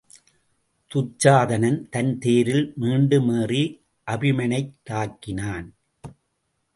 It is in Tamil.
துச்சாதனன் தன் தேரில் மீண்டும் ஏறி அபிமனைத் தாக்கினான்.